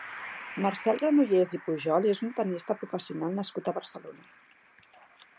Marcel Granollers i Pujol és un tennista professional nascut a Barcelona.